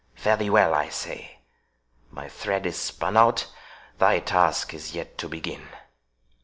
Fare thee well, I say. My thread is spun out—thy task is yet to begin."